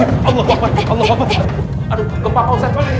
ya allah pak ustaz